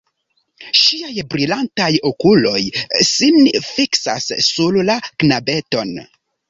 Ŝiaj brilantaj okuloj sin fiksas sur la knabeton.